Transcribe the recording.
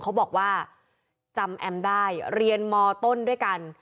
เขาบอกว่าจำแอมได้เรียนมต้นด้วยกัน